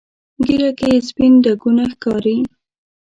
ږیره کې یې سپین ډکونه ښکاري.